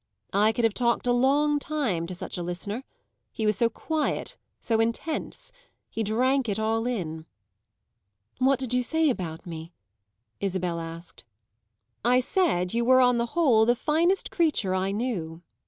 I could have talked a long time to such a listener; he was so quiet, so intense; he drank it all in." "What did you say about me?" Isabel asked. "I said you were on the whole the finest creature I know."